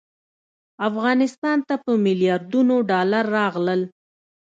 افغانستان ته په میلیاردونو ډالر راغلل.